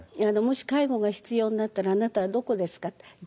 もし介護が必要になったらあなたはどこですかって。